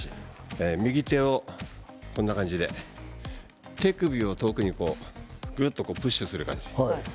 右手をこんな感じで手首を特にぐっとプッシュする感じ。